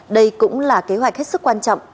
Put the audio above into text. đây cũng là kế hoạch hết sức quan trọng